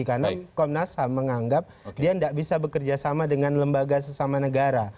karena komnas ham menganggap dia tidak bisa bekerja sama dengan lembaga sesama negara